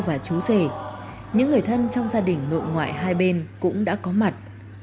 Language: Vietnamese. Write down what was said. mà chú dê những người thân trong gia đình nội ngoại hai bên cũng đã có mặt